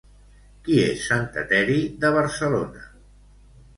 Qui és Sant Eteri de Barcelona?